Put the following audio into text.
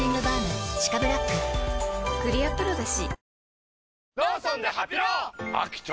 クリアプロだＣ。